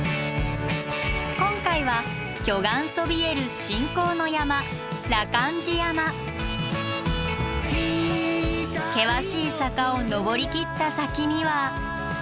今回は巨岩そびえる信仰の山険しい坂を登りきった先には。